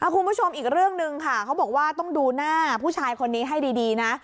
คุณผู้ชมอีกเรื่องหนึ่งค่ะเขาบอกว่าต้องดูหน้าผู้ชายคนนี้ให้ดีนะ